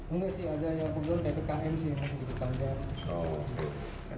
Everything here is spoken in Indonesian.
enggak sih ada yang berdoa dtkm sih masih di kepanggar